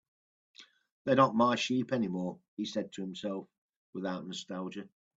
"They're not my sheep anymore," he said to himself, without nostalgia.